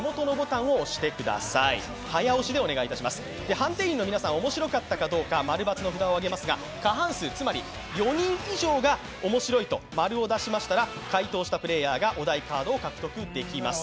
判定員の皆さんは面白かったかどうか○×の札を上げますが過半数、つまり４人以上が面白いと○を出しましたら、回答したプレーヤーがお題カードを獲得できます。